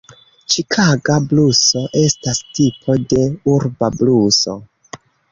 Ĉikaga bluso estas tipo de urba bluso.